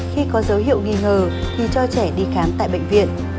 khi có dấu hiệu nghi ngờ thì cho trẻ đi khám tại bệnh viện